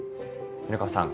米川さん